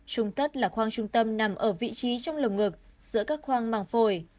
trung thất là khoang trung tâm nằm ở vị trí trong lông ngực giữa các khoang màng phổi